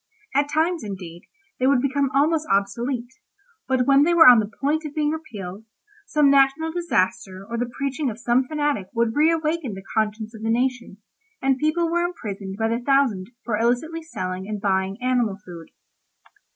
At times, indeed, they would become almost obsolete, but when they were on the point of being repealed, some national disaster or the preaching of some fanatic would reawaken the conscience of the nation, and people were imprisoned by the thousand for illicitly selling and buying animal food.